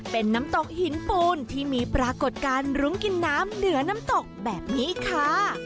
เป็นน้ำตกหินปูนที่มีปรากฏการณ์รุ้งกินน้ำเหนือน้ำตกแบบนี้ค่ะ